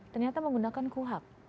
ternyata menggunakan kuhab